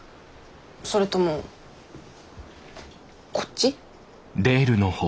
それともこっち？